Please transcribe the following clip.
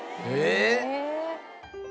ええ！？